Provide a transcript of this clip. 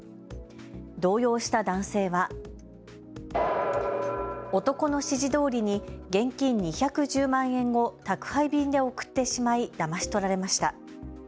動揺した男性は男の指示どおりに現金２１０万円を宅配便で送ってしまいだまし取られました。